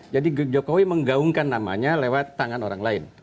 jadi jokowi menggaungkan namanya lewat tangan orang lain